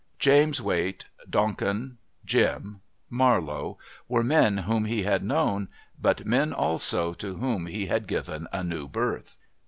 James Wait, Donkin, Jim, Marlowe were men whom he had known, but men also to whom he had given a new birth.